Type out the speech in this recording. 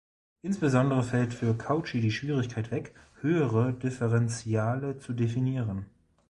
Insbesondere fällt für Cauchy die Schwierigkeit weg, höhere Differentiale zu definieren.